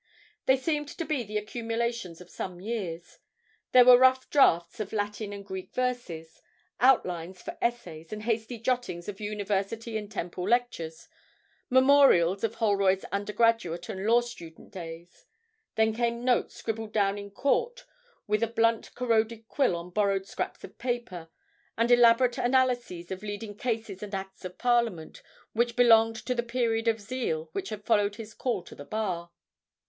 They seemed to be the accumulations of some years. There were rough drafts of Latin and Greek verses, outlines for essays, and hasty jottings of University and Temple lectures memorials of Holroyd's undergraduate and law student days. Then came notes scribbled down in court with a blunt corroded quill on borrowed scraps of paper, and elaborate analyses of leading cases and Acts of Parliament, which belonged to the period of zeal which had followed his call to the Bar.